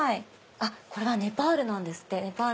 あっこれはネパールなんですって。